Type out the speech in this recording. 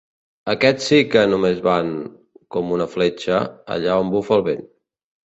Aquests sí que només van, com una fletxa, allà on bufa el vent.